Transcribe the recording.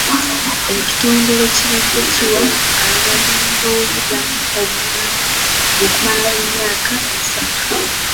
Ekitongole kibadde kiwa abanoonyi b'obubudamu obuyambi okumala emyaka esatu